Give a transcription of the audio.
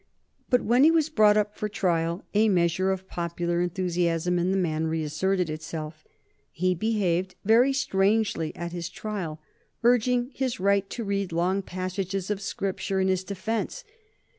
But when he was brought up for trial a measure of popular enthusiasm in the man reasserted itself. He behaved very strangely at his trial, urging his right to read long passages of Scripture in his defence.